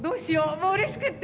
もううれしくって！